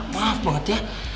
maaf banget ya